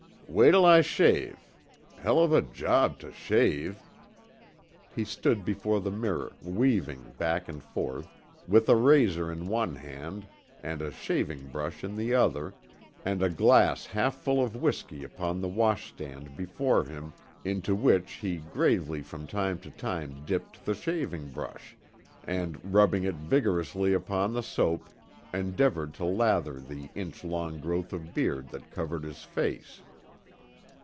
Wait'll I shave. Hell of a job to shave." He stood before the mirror weaving back and forth, with a razor in one hand and a shaving brush in the other, and a glass half full of whiskey upon the washstand before him, into which he gravely from time to time dipped the shaving brush, and rubbing it vigorously upon the soap, endeavored to lather the inch long growth of beard that covered his face.